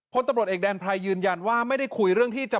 พลตำรวจเอกแดนไพรยืนยันว่าไม่ได้คุยเรื่องที่จะ